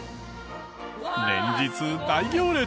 連日大行列！